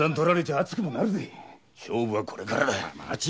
勝負はこれからだ！